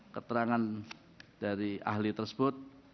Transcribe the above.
keterangan dari ahli tersebut